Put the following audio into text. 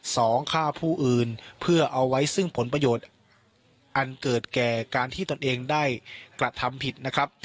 ฆ่าผู้อื่นเพื่อเอาไว้ซึ่งผลประโยชน์อันเกิดแก่การที่ตนเองได้กระทำผิดนะครับ